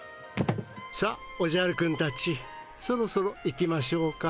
さあおじゃるくんたちそろそろ行きましょうか。